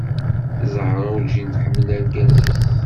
Zahra urǧin tḥemmel argaz-is.